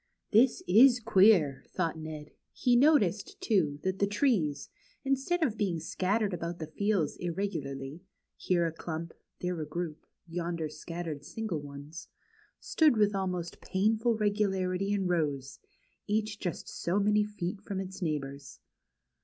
This is queer,'' thought Ned. He noticed, too, that the trees, instead of being scattered about the fields irregularly, here a clump, there a group, yonder scattered single ones, stood with almost painful regularity in rows, each just so many feet from its neighbors.